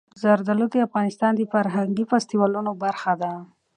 زردالو د افغانستان د فرهنګي فستیوالونو برخه ده.